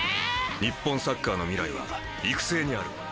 日本サッカーの未来は育成にある。